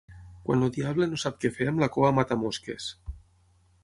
Quan el diable no sap què fer amb la cua mata mosques.